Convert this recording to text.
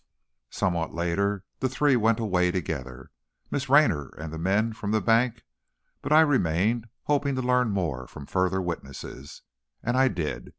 Somewhat later, the three went away together, Miss Raynor and the men from the bank, but I remained, hoping to learn more from further witnesses. And I did.